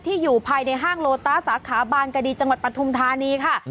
อยู่ภายในห้างโลต้าสาขาบานกดีจังหวัดปฐุมธานีค่ะ